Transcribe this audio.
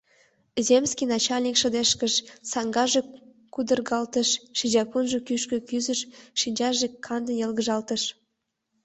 Земский начальник шыдешкыш, саҥгаже кудыргалтыш, шинчапунжо кӱшкӧ кӱзыш, шинчаже кандын йылгыжалтыш.